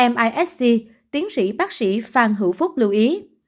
misc tiến sĩ bác sĩ phan hữu phúc lưu ý